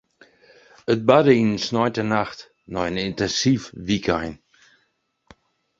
It barde yn in sneintenacht nei in yntinsyf wykein.